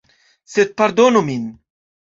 Sed pardonu min.